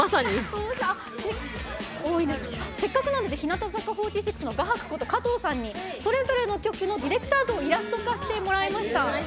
せっかくなので日向坂４６の画伯こと加藤さんにそれぞれの局のディレクター像をイラスト化してもらいました。